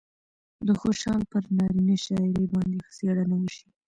د خوشال پر نارينه شاعرۍ باندې څېړنه وشي